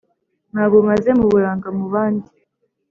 Ntago nkaze muburanga mu bandi